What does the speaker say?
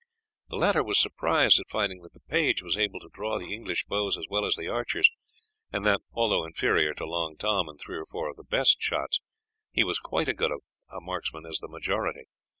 The latter was surprised at finding that the page was able to draw the English bows as well as the archers, and that, although inferior to Long Tom and three or four of the best shots, he was quite as good a marksman as the majority.